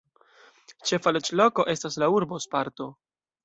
Ĉefa loĝloko estas la urbo "Sparto".